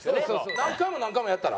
何回も何回もやったら？